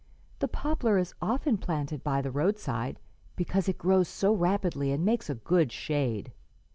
The poplar is often planted by the roadside because it grows so rapidly and makes a good shade.